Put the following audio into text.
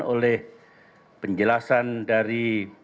oleh penjelasan dari